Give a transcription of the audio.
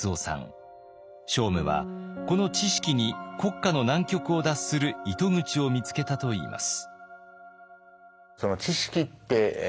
聖武はこの智識に国家の難局を脱する糸口を見つけたといいます。